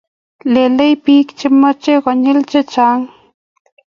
lelee biik chemengech konyil chechang